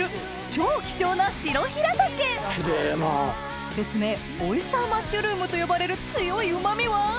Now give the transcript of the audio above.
超希少な白ヒラタケ別名オイスターマッシュルームと呼ばれる強いうま味は？